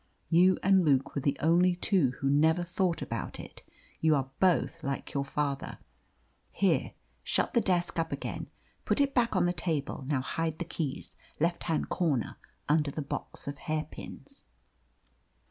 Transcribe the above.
You and Luke were the only two who never thought about it. You are both like your father. Here, shut the desk up again. Put it back on the table. Now hide the keys left hand corner, under the box of hairpins."